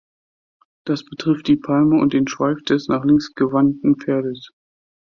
Das betrifft die Palme und den Schweif des nach links gewandten Pferdes.